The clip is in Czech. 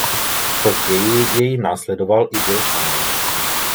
Později jej následoval i Bill Shannon.